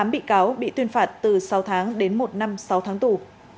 tám bị cáo bị tuyên phạt từ sáu tháng đến một năm sáu tháng tù